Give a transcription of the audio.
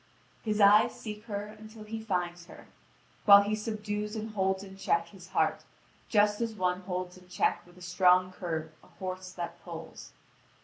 His eyes seek her until he finds her, while he subdues and holds in check his heart, just as one holds in check with a strong curb a horse that pulls.